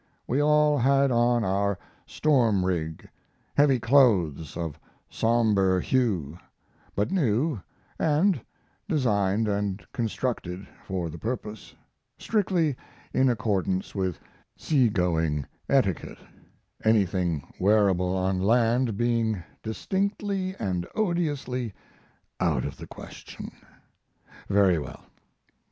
We all had on our storm rig, heavy clothes of somber hue, but new and designed and constructed for the purpose, strictly in accordance with sea going etiquette; anything wearable on land being distinctly and odiously out of the question. Very well.